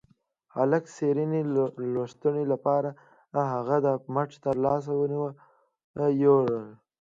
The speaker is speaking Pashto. د هلك د څيرې لستوڼي له منځه يې د هغه مټ ته لاس يووړ.